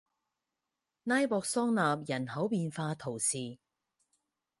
拉博桑讷人口变化图示